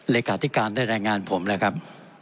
เลขาธิการได้รายงานผมแล้วครับ